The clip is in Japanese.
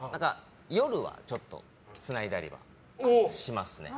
夜はちょっとつないだりしますね。